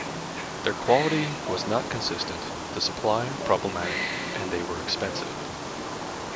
Their quality was not consistent, the supply problematic and they were expensive.